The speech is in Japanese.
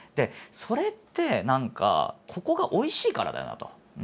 それって何かここがおいしいからだよなと。